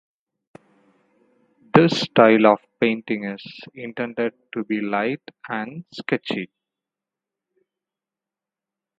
This style of painting is intended to be light and sketchy.